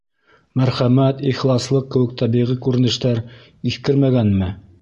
Мәрхәмәт, ихласлыҡ кеүек тәбиғи күренештәр иҫкермәгәнме?